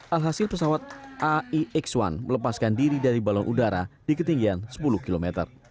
alhasil pesawat aix satu melepaskan diri dari balon udara di ketinggian sepuluh km